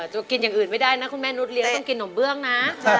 จะกินอย่างอื่นไม่ได้นะคุณแม่นุษเลี้ยต้องกินนมเบื้องนะ